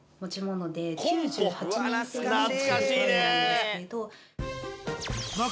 懐かしいねぇ。